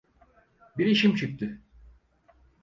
Bir işim çıktı.